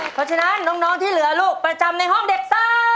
เพราะฉะนั้นน้องที่เหลือลูกประจำในห้องเด็กซ่า